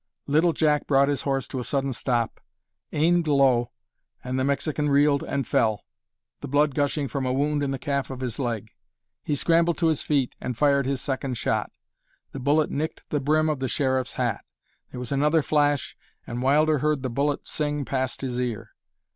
Little Jack brought his horse to a sudden stop, aimed low, and the Mexican reeled and fell, the blood gushing from a wound in the calf of his leg. He scrambled to his feet, and fired his second shot. The bullet nicked the brim of the Sheriff's hat. There was another flash, and Wilder heard the bullet sing past his ear.